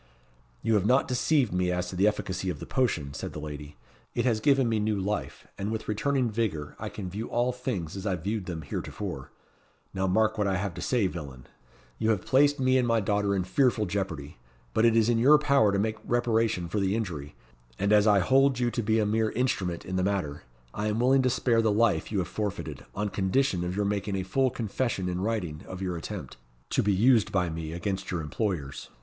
"You have not deceived me as to the efficacy of the potion," said the lady; "it has given me new life, and with returning vigour I can view all things as I viewed them heretofore. Now mark what I have to say, villain. You have placed me and my daughter in fearful jeopardy; but it is in your power to make reparation for the injury; and as I hold you to be a mere instrument in the matter, I am willing to spare the life you have forfeited, on condition of your making a full confession in writing of your attempt, to be 'used by me against your employers.